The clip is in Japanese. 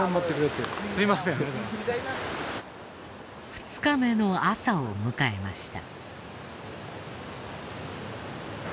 ２日目の朝を迎えました。